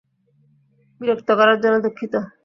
বিরক্ত করার জন্য দুঃখিত।